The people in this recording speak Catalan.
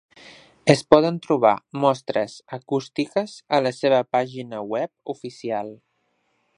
Es poden trobar mostres acústiques a la seva pàgina web oficial.